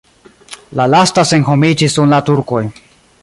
La lasta senhomiĝis dum la turkoj.